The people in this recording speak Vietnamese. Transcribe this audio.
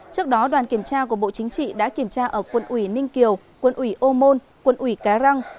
trước đó đoàn kiểm tra của bộ chính trị đã kiểm tra ở quận ủy ninh kiều quận ủy ô môn quận ủy cá răng